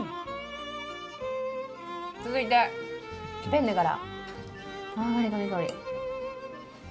続いて、ペンネから。